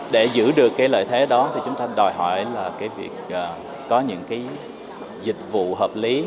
để giữ được lợi thế đó chúng ta đòi hỏi là có những dịch vụ hợp lý